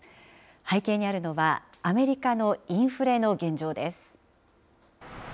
背景にあるのは、アメリカのインフレの原状です。